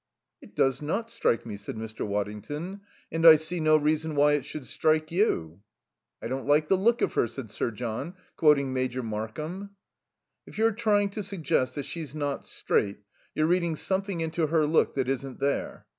"It does not strike me," said Mr. Waddington, "and I see no reason why it should strike you." "I don't like the look of her," said Sir John, quoting Major Markham. "If you're trying to suggest that she's not straight, you're reading something into her look that isn't there."